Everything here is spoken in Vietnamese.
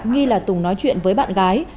nghi là tùng nói chuyện với bạn gái